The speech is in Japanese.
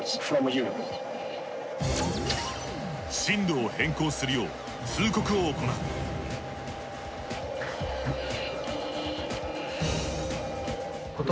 進路を変更するよう通告を行う。